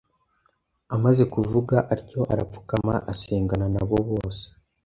Amaze kuvuga atyo, arapfukama, asengana na bo bose